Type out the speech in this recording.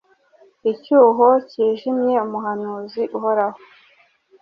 icyuho cyijimye Umuhanuzi uhoraho